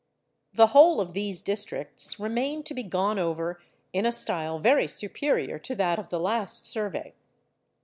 The whole of these districts remain to be gone over in a style very superior to that of the last survey.